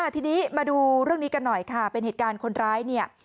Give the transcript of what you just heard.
ทีนี้มาดูเรื่องนี้กันหน่อยค่ะเป็นเหตุการณ์คนร้ายเนี่ย